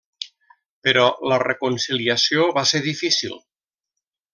Però la reconciliació va ser difícil.